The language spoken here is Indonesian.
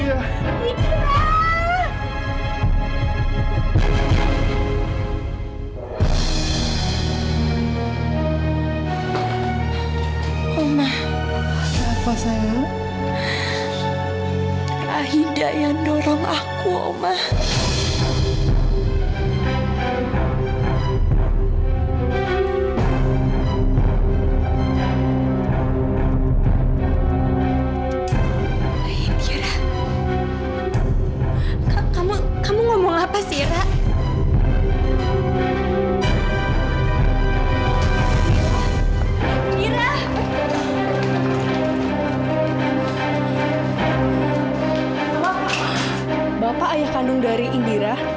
bapak ayah kandung dari indira